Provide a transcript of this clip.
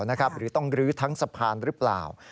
หรือต้องลื้อทั้งสะพานหรือเปล่า